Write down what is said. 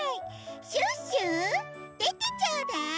シュッシュでてちょうだい！